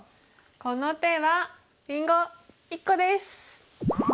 この手はりんご１個です！